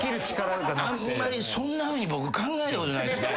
あんまりそんなふうに僕考えたことないですね。